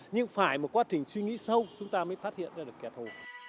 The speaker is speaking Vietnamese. nhưng phải một quá trình suy nghĩ sâu chúng ta mới phát hiện ra được kẻ thù